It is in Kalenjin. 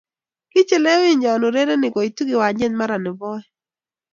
Kichelewinyo urerenik koitu kiwanjait mara ne bo oeng.